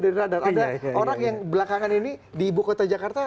ada orang yang belakangan ini di ibu kota jakarta